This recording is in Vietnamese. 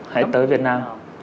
hãy tới việt nam